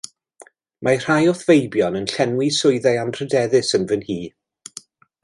Mae rhai o'th feibion yn llenwi swyddau anrhydeddus yn fy nhŷ.